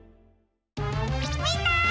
みんな！